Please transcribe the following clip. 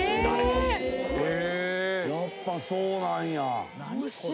やっぱそうなんや。